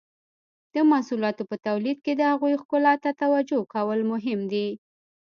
د محصولاتو په تولید کې د هغوی ښکلا ته توجو کول هم مهم دي.